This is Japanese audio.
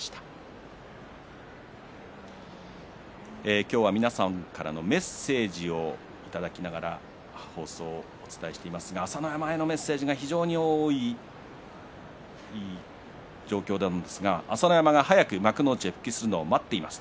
今日は皆さんからのメッセージをいただきながら放送をお伝えしていますが朝乃山へのメッセージが非常に多い状況なんですが朝乃山が早く幕内へ復帰するのを待っています。